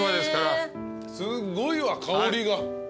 すごいわ香りが。